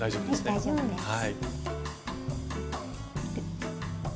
はい大丈夫です。